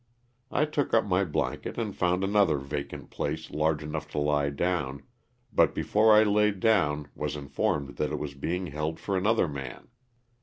I took up my blanket and found another vacant place large enough to lie down, but before I laid down was informed that it was being held for another man.